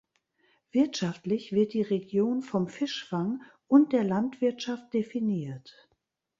Wirtschaftlich wird die Region vom Fischfang und der Landwirtschaft definiert.